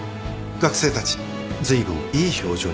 学生たちずいぶんいい表情になりましたよね。